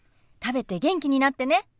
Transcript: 食べて元気になってね。